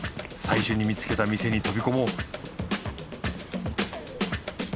最初に見つけた店に飛び込もう